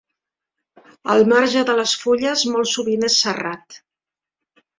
El marge de les fulles, molt sovint és serrat.